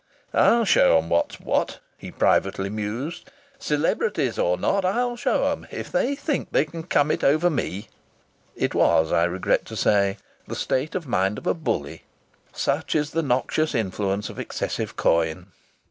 "I'll show 'em what's what!" he privately mused. "Celebrities or not, I'll show 'em! If they think they can come it over me !" It was, I regret to say, the state of mind of a bully. Such is the noxious influence of excessive coin!